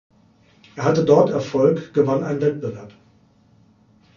Er hatte dort Erfolg, gewann einen Wettbewerb.